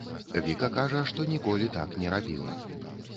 Віка кажа, што ніколі так не рабіла.